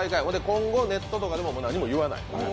今後ネットとかでも何も言わない。